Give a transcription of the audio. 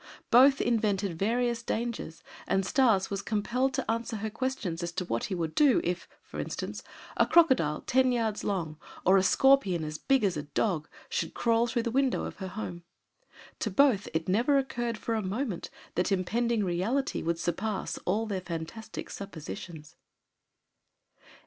Both invented various dangers and Stas was compelled to answer her questions as to what he would do if, for instance, a crocodile, ten yards long, or a scorpion as big as a dog, should crawl through the window of her home. To both it never occurred for a moment that impending reality would surpass all their fantastic suppositions.